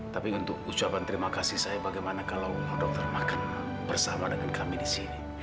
tapi untuk ucapan terima kasih saya bagaimana kalo dokter makan bersama dengan kami disini